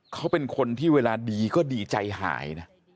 เขาเป็นคนที่เวลาดีก็ดีใจหายนะ